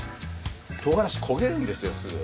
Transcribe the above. とうがらし焦げるんですよすぐ。